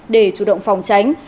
để chủ động phòng tránh